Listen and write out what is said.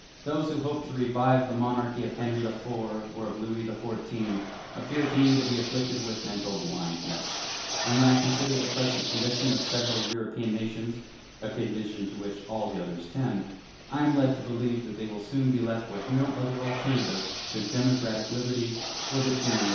Those who hope to revive the monarchy of Henry IV or of Louis XIV, appear to me to be afflicted with mental blindness; and when I consider the present condition of several European nations—a condition to which all the others tend—I am led to believe that they will soon be left with no other alternative than democratic liberty, or the tyranny of the Caesars.